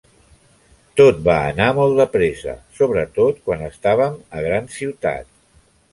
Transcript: Tot va anar molt de pressa, sobretot quan estàvem a grans ciutats.